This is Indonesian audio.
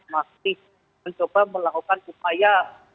masih mencoba melakukan upaya